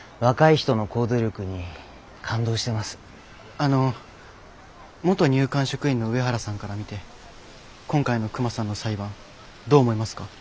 あの元入管職員の上原さんから見て今回のクマさんの裁判どう思いますか？